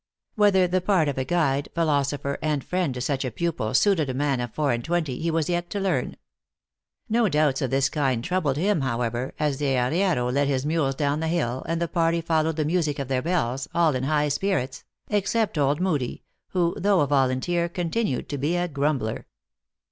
Whether the part of guide, philosopher, and friend to such a pupil suited a man of four and twenty, he was yet to learn. No doubts of this kind troubled him, however, as the arriero led his mules down the hill, and the party followed the music of their bells, all in high spirits, except old Moodie, who, though a volunteer, continued to be a grumbler.